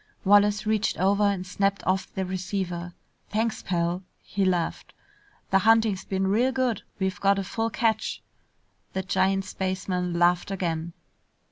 Wallace reached over and snapped off the receiver. "Thanks, pal." He laughed. "The hunting's been real good! We've got a full catch!" The giant spaceman laughed again.